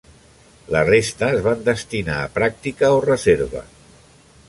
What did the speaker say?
La resta es van destinar a pràctica o reserva.